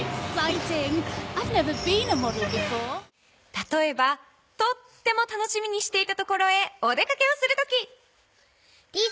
たとえばとっても楽しみにしていたところへお出かけをするとき！